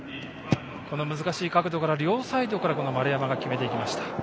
難しい角度から、両サイドから丸山が決めていきました。